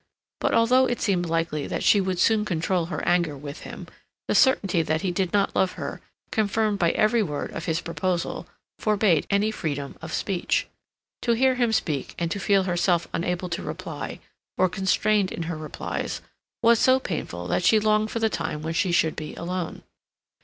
But although it seemed likely that she would soon control her anger with him, the certainty that he did not love her, confirmed by every word of his proposal, forbade any freedom of speech. To hear him speak and to feel herself unable to reply, or constrained in her replies, was so painful that she longed for the time when she should be alone.